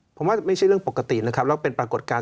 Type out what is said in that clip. ผมว่าไม่ใช่เรื่องปกตินะครับแล้วเป็นปรากฏการณ์